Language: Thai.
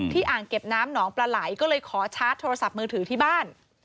อ่างเก็บน้ำหนองปลาไหลก็เลยขอชาร์จโทรศัพท์มือถือที่บ้าน